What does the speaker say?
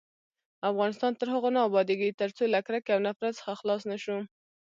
افغانستان تر هغو نه ابادیږي، ترڅو له کرکې او نفرت څخه خلاص نشو.